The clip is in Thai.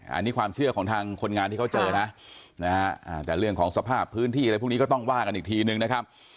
อันนี้ความเชื่อของทางคนงานที่เขาเจอนะแต่เรื่องของสภาพพื้นที่อะไรพวกนี้ก็ต้องว่ากันอีกทีนึงนะครับ